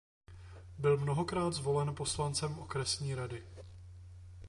Byl mnohokrát zvolen poslancem Okresní rady.